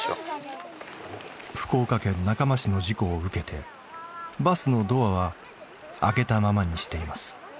福岡県中間市の事故を受けてバスのドアは開けたままにしています。